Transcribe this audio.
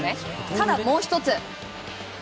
ただ、もう１つ。